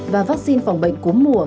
và vaccine phòng bệnh cúm mùa